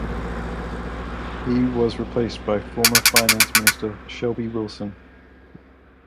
He was replaced by former Finance Minister Selby Wilson.